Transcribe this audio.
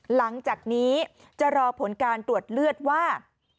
หลังจากนี้จะรอผลการตรวจเลือดว่า